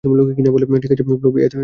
ঠিক আছে, ব্লবি, এবার তোমার পালা।